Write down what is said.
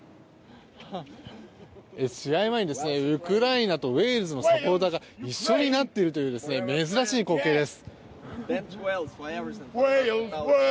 試合前にウクライナとウェールズのサポーターが一緒になっているという珍しい光景です。